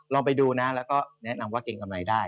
ลองไปดูนะแล้วก็แนะนำว่าเกรงกำไรได้